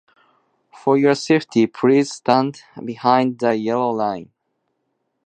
For your safety, please stand behind the yellow line.